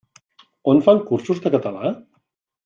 On fan cursos de català?